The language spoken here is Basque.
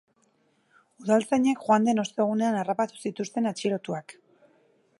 Udaltzainek joan den ostegunean harrapatu zituzten atxilotuak.